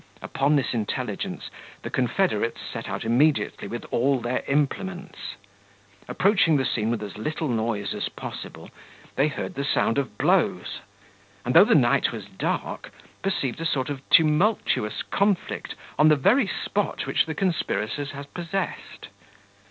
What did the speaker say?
Upon this intelligence the confederates set out immediately with all their implements. Approaching the scene with as little noise as possible, they heard the sound of blows; and, though the night was dark, perceived a sort of tumultuous conflict on the very spot which the conspirators had possessed.